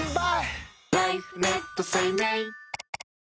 はい。